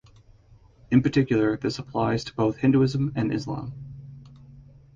In particular this applies to both Hinduism and Islam.